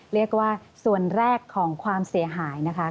เรียกว่าส่วนแรกของความเสียหายนะคะ